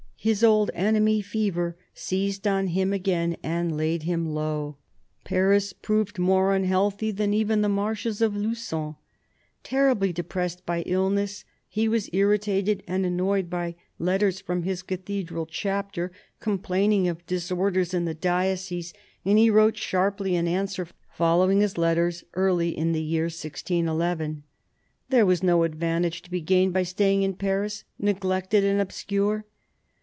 His old enemy, fever, seized on him again and laid him low : Paris proved more unhealthy than even the marshes of Lugon. Terribly depressed by illness, he was irritated and annoyed by letters from his Cathedral chapter, complaining of disorders in the diocese, and he wrote sharply in answer, following his letters early in the year 161 1. There was no advantage to be gained by staying in Paris, neglected and obscure.